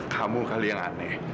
kamu kali yang aneh